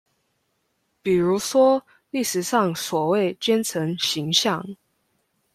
比如說歷史上所謂奸臣形象